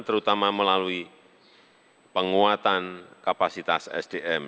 terutama melalui penguatan kapasitas sdm